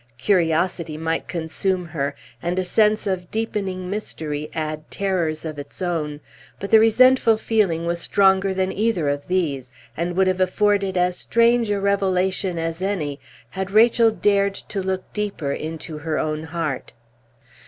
Curiosity might consume her, and a sense of deepening mystery add terrors of its own, but the resentful feeling was stronger than either of these, and would have afforded as strange a revelation as any, had Rachel dared to look deeper into her own heart.